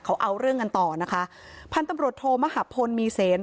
เขาเอาเรื่องกันต่อนะคะพันธุ์ตำรวจโทมหาพลมีเสน